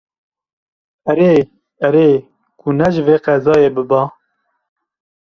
Erê, erê, ku ne ji vê qezayê biba